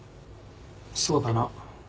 そうだな。